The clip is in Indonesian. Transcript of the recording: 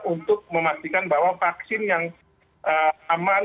untuk memastikan bahwa vaksin yang aman